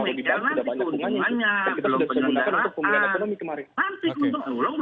tapi kita sudah tergunakan untuk pembelian ekonomi kemarin